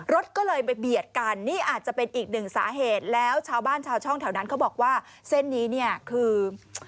รถก็เลยไปเบียดกันนี่อาจจะเป็นอีกหนึ่งสาเหตุแล้วชาวบ้านชาวช่องแถวนั้นเขาบอกว่าเส้นนี้เนี่ยคือ